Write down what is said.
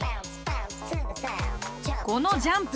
このジャンプ。